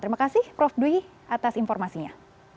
terima kasih prof dwi atas informasinya